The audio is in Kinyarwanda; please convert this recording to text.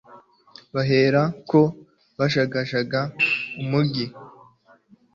bahera ko bajagajaga umugi